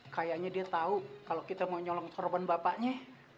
kayaknya dia tau kalo kita mau nyolong sorban bapaknya